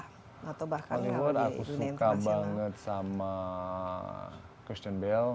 hollywood aku suka banget sama christian bale